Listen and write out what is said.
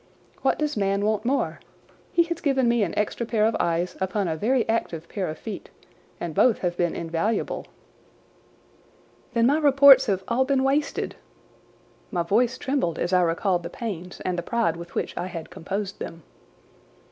What does man want more? He has given me an extra pair of eyes upon a very active pair of feet, and both have been invaluable." "Then my reports have all been wasted!"—My voice trembled as I recalled the pains and the pride with which I had composed them.